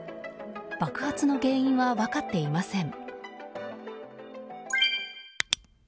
爆発の原因は分かっていません。